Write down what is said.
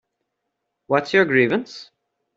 What’s your grievance?